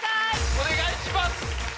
お願いします。